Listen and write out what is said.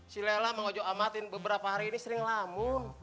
si lela mang ujo amatin beberapa hari ini sering ngelamun